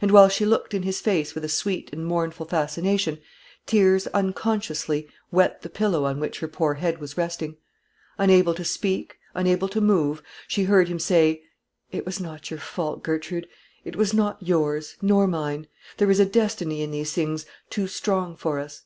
And while she looked in his face with a sweet and mournful fascination, tears unconsciously wet the pillow on which her poor head was resting. Unable to speak, unable to move, she heard him say "It was not your fault, Gertrude it was not yours, nor mine. There is a destiny in these things too strong for us.